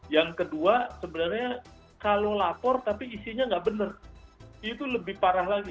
yang kedua sebenarnya kalau lapor tapi isinya nggak benar itu lebih parah lagi